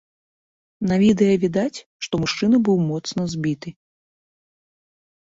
На відэа відаць, што мужчына быў моцна збіты.